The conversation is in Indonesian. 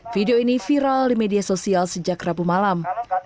video ini viral di media sosial sejak rabu malam